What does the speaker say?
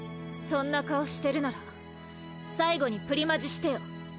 そんな顔してるなら最後にプリマジしてよ。